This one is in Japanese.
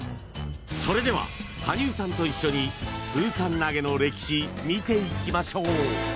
それでは羽生さんと一緒にプーさん投げの歴史見ていきましょう